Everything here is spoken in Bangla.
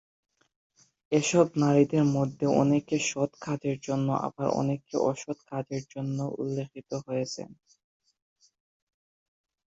এসব নারীদের মধ্যে অনেকে সৎ কাজের জন্য আবার অনেকে অসৎ কাজের জন্য উল্লেখিত হয়েছে।